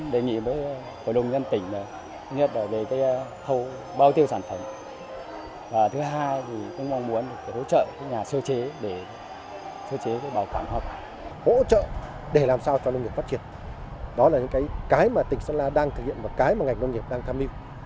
đó là những cái mà tỉnh sơn la đang thực hiện và cái mà ngành nông nghiệp đang tham mưu